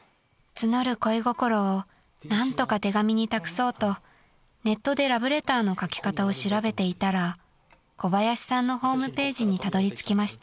［募る恋心を何とか手紙に託そうとネットでラブレターの書き方を調べていたら小林さんのホームページにたどりつきました］